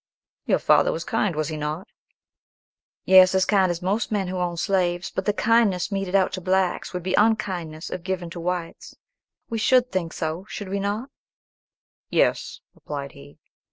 "Your father was kind, was he not?" "Yes, as kind as most men who own slaves; but the kindness meted out to blacks would be unkindness if given to whites. We would think so, should we not?" "Yes," replied he.